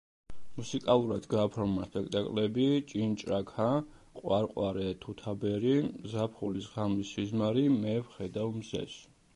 მუსიკალურად გააფორმა სპექტაკლები: „ჭინჭრაქა“, „ყვარყვარე თუთაბერი“, „ზაფხულის ღამის სიზმარი“, „მე ვხედავ მზეს“.